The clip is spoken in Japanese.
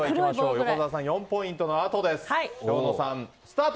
横澤さんの４ポイントのあとです。